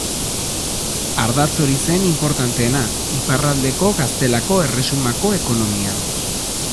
Ardatz hori zen inportanteena iparraldeko Gaztelako Erresumako ekonomian.